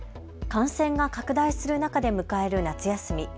感染が拡大する中で迎える夏休み。